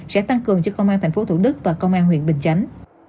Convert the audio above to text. sẽ tăng cường cho công an tp thủ đức và công an huyện bình chánh